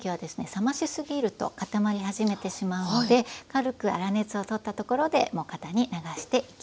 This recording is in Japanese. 冷ましすぎると固まり始めてしまうので軽く粗熱を取ったところでもう型に流していきます。